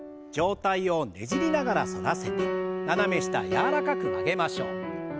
上体をねじりながら反らせて斜め下柔らかく曲げましょう。